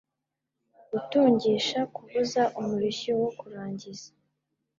Gutungisha Kuvuza umurishyo wo kurangiza